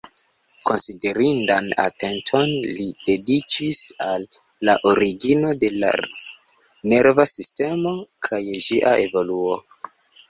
Konsiderindan atenton li dediĉis al la origino de la nerva sistemo kaj ĝia evoluo.